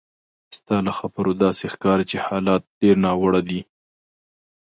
ستا له خبرو داسې ښکاري چې حالات ډېر ناوړه دي.